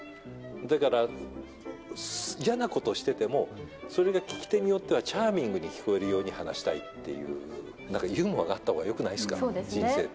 だから、嫌なことしててもそれが聞き手によってはチャーミングに聞こえるように話したいっていう、なんかユーモアがあったほうがよくないですか、人生って。